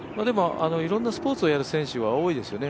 いろんなスポ−ツをやる選手は多いですよね。